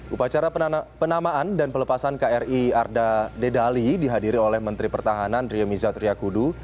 upacara penamaan dan pelepasan kri arda dedali dihadiri oleh menteri pertahanan rio miza triakudu